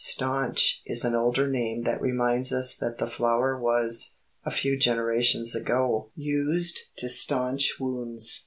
"Staunch" is an older name that reminds us that the flower was, a few generations ago, used to staunch wounds.